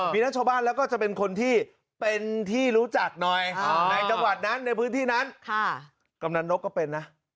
มีทั้งชาวบ้านแล้วก็จะเป็นคนที่เป็นที่รู้จักหน่อยในจังหวัดนั้นในพื้นที่นั้น